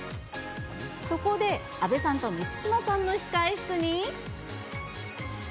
そこで阿部さんと満島さんの控え室に。